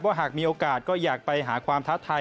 หากมีโอกาสก็อยากไปหาความท้าทาย